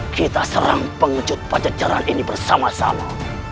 kita serang pengecut pajak jalan ini bersama sama